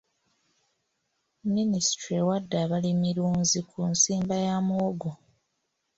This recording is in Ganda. Minisitule ewadde abalimilunzi ku nsimba ya muwogo.